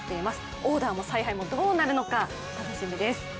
オーダーも采配もどうなるのか楽しみです。